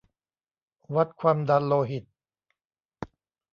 วัดความดันโลหิต